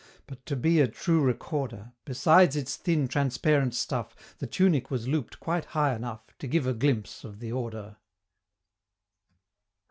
But to be a true recorder, Besides its thin transparent stuff, The tunic was loop'd quite high enough To give a glimpse of the Order!